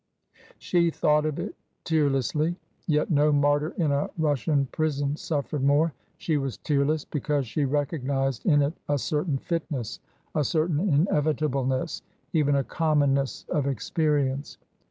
She thought of it tearlessly. Yet no martyr in a Russian prison suffered more. She was tearless, because she recognised in it a certain fitness, a certain inevitableness — even a commonness of experience.